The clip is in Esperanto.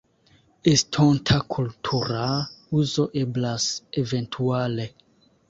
Estonta kultura uzo eblas eventuale.